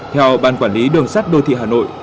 theo ban quản lý đường sắt đô thị hà nội